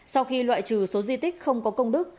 sau khi loại trừ số di tích không có công đức